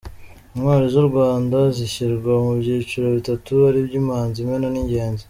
Intwari z’u Rwanda zishyirwa mu byiciro bitatu aribyo; Imanzi, Imena n’ingenzi.